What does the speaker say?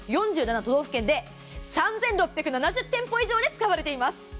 ４７都道府県で３６７０店舗以上に使われています。